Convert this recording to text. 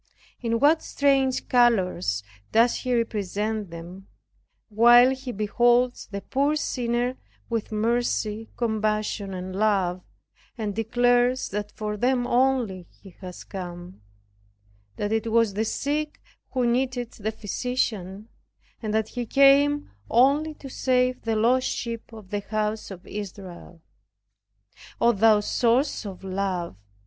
In what strange colors does He represent them, while He beholds the poor sinner with mercy, compassion and love, and declares that for them only He was come, that it was the sick who needed the physician; and that He came only to save the lost sheep of the house of Israel. O thou Source of Love!